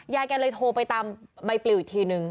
ยายแกเลยโทรไปตามใบปลิวอีกทีนึง